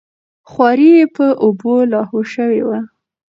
خواري یې په اوبو لاهو شوې وه.